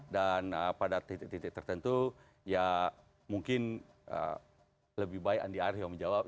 pada titik titik tertentu ya mungkin lebih baik andi arief yang menjawab